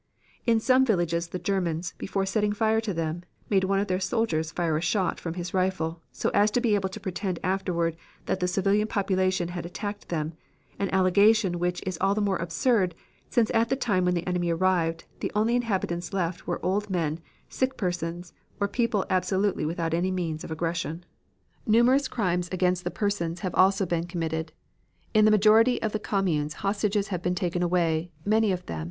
In some villages the Germans, before setting fire to them made one of their soldiers fire a shot from his rifle so as to be able to pretend afterward that the civilian population had attacked them, an allegation which is all the more absurd since at the time when the enemy arrived, the only inhabitants left were old men, sick persons, or people absolutely without any means of aggression. [Illustration: Painting] THE HORRORS OF GERMAN RULE IN FRANCE Forcibly removing French civilians from Lille to German labor colonies.